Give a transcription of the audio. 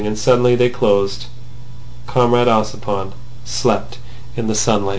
And suddenly they closed. Comrade Ossipon slept in the sunlight.